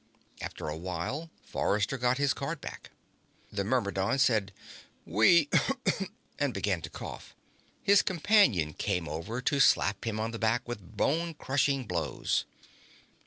After a while, Forrester got his card back. The Myrmidon said: "We " and began to cough. His companion came over to slap him on the back with bone crushing blows.